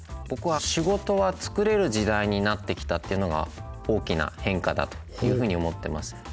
ぼくは仕事は作れる時代になってきたっていうのが大きな変化だというふうに思ってます。